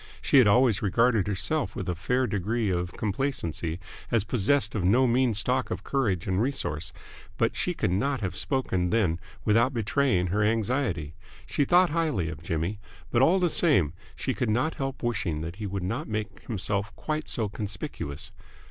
She had always regarded herself with a fair degree of complacency as possessed of no mean stock of courage and resource, but she could not have spoken then without betraying her anxiety. She thought highly of Jimmy, but all the same she could not help wishing that he would not make himself quite so conspicuous.